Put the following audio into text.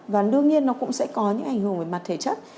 và đương nhiên nó cũng sẽ có những ảnh hưởng về mặt thể chất